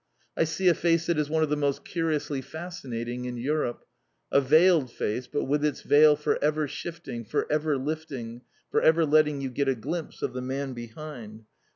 I see a face that is one of the most curiously fascinating in Europe. A veiled face, but with its veil for ever shifting, for ever lifting, for ever letting you get a glimpse of the man behind.